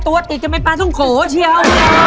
ตัวติดจะเป็นปลาต้องโกเชียว